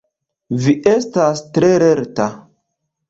Vi estas tre lerta!